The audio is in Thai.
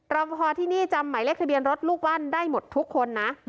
รอปภที่นี่จำหมายเลขทะเบียนรถลูกบ้านได้หมดทุกคนนะ